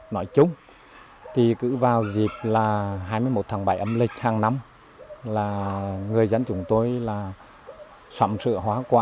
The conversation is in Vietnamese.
nói chung thì cứ vào dịp là hai mươi một tháng bảy âm lịch hàng năm là người dân chúng tôi là sầm sữa hoa quả